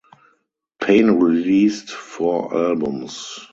Pain released four albums.